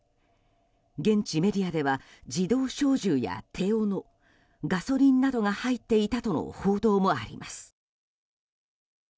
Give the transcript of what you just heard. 現地メディアでは自動小銃や手おのガソリンなどが入っていたとの報道もあります。